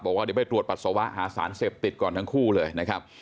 บอกว่าเดี๋ยวไปตรวจปัสสาวะหาสารเสพติดก่อนทั้งคู่เลยนะครับ